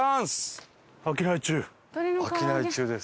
商い中です。